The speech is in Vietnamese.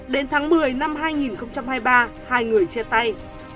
đến tháng một mươi năm hai nghìn hai mươi ba hai người chia tay